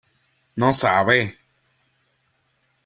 ¿ no sabes?